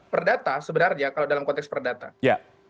perdata sebenarnya kalau dalam konteks perdata